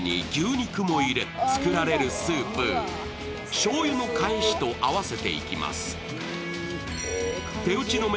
しょうゆの返しと合わせていきます。